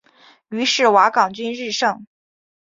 于是瓦岗军日盛。